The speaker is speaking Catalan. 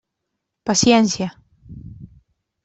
Paciència.